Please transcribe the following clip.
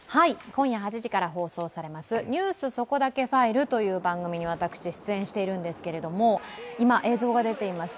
今夜８時から放送されます「ニュースそこだけファイル」という番組に私、出演しているんですけれども、今映像が出ています